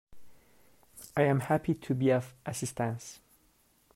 I am happy to be of assistance